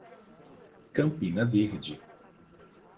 Campina Verde